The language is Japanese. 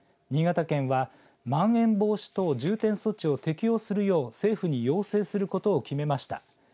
新潟県は、まん延防止等重点措置を適用するよう政府に要請することを決めました。